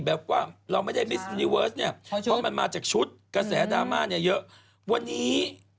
หลั่นสวยจริงวันนี้